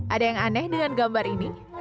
ada yang aneh dengan gambar ini